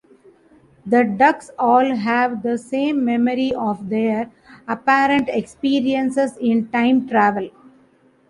The Ducks all have the same memory of their apparent experiences in time travel.